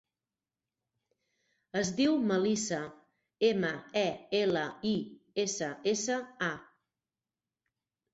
Es diu Melissa: ema, e, ela, i, essa, essa, a.